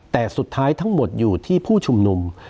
แต่สุดท้ายทั้งหมดอยู่ที่ผู้ชุมนุม